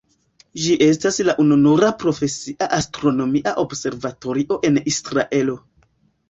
Ĝi estas la ununura profesia astronomia observatorio en Israelo.